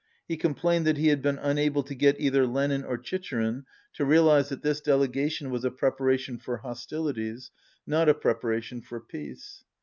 He complained that he had been unable to get either Lenin or Chicherin to realize that this delegation was a preparation for hostilities, not a prepara tion for peace.